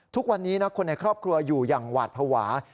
ทุกวันนี้นะคนในครอบครัวอยู่อย่างหวาดภาวะ